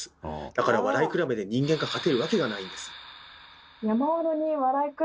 だから笑い比べで人間が勝てるわけがないんです。